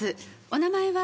お名前は？